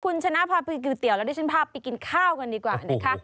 คุณชนะพากิเตี๋ยวเราด้วยฉันพาไปกินข้ากันดีกว่า